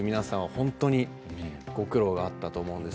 本当にご苦労があったと思うんです。